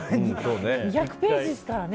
２００ページですからね。